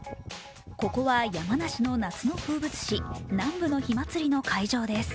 ここは山梨の夏の風物詩南部の火祭りの会場です。